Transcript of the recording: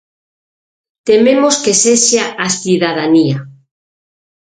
Tememos que sexa a cidadanía.